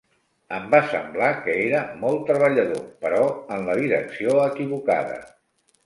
Em va semblar que era molt treballador, però en la direcció equivocada.